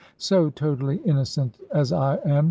"So totally innocent as I am!"